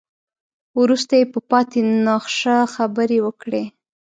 وروسته يې په پاتې نخشه خبرې وکړې.